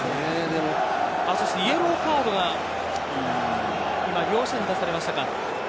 そしてイエローカードが今、両者に出されましたか。